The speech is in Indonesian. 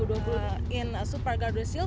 di super garuda silk